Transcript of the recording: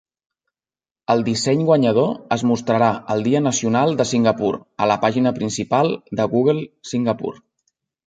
El disseny guanyador es mostrarà el Dia Nacional de Singapur, a la pàgina principal de Google Singapur.